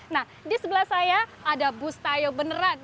nah di sebelah saya ada bustayo beneran